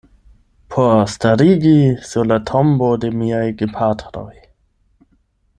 Por starigi sur la tombo de miaj gepatroj.